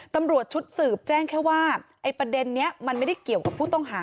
ตำรวจชุดสืบแจ้งแค่ว่าไอ้ประเด็นนี้มันไม่ได้เกี่ยวกับผู้ต้องหา